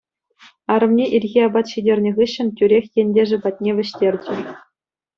Арӑмне ирхи апат ҫитернӗ хыҫҫӑн тӳрех ентешӗ патне вӗҫтерчӗ.